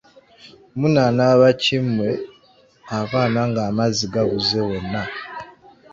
Munaanaaba ki mmwe abaana ng'amazzi gabuze wonna?